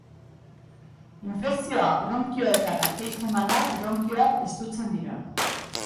Infekzioa bronkioetara jaisten bada, bronkioak estutzen dira.